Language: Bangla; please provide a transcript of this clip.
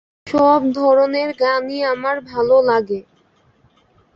সব ধরনের গানই আমার ভালো লাগে।